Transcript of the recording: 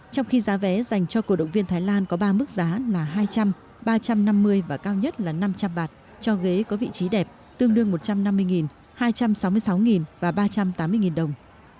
trong khi giá vé dành cho cổ động viên thái lan có ba mức giá là hai trăm linh ba trăm năm mươi và cao nhất là năm trăm linh bạt cho ghế có vị trí đẹp tương đương một trăm năm mươi hai trăm sáu mươi sáu và ba trăm tám mươi đồng